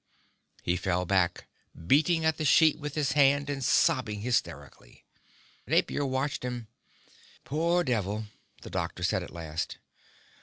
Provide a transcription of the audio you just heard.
He fell back, beating at the sheet with his hand and sobbing hysterically. Napier watched him. "Poor devil," the doctor said at last.